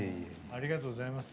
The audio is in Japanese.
ありがとうございます。